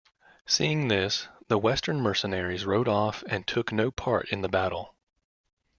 Seeing this, the Western mercenaries rode off and took no part in the battle.